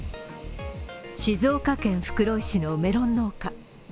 静岡県袋井市のメロン農家。